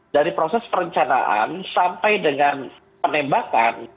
dari proses perencanaan sampai dengan penembakan